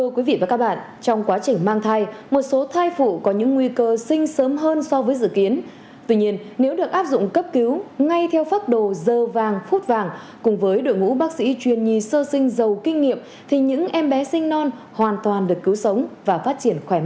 các bạn hãy đăng ký kênh để ủng hộ kênh của chúng mình nhé